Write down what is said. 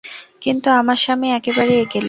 কিন্তু আমার স্বামী একেবারে একেলে।